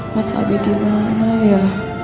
mas habib dimana ya